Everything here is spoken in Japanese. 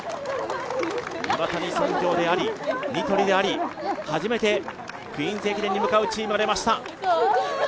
岩谷産業であり、ニトリであり、初めて「クイーンズ駅伝」に向かうチームが出ました。